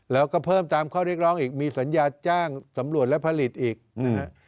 แล้วก็เพิ่มตามข้อเรียกร้องอีกมีสัญญาจ้างสำรวจและผลิตอีกนะฮะ